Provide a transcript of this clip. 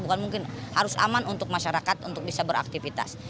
bukan mungkin harus aman untuk masyarakat untuk bisa beraktivitas